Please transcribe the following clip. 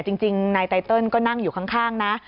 จริงนายไตเติลก็นั่งอยู่ข้างนะ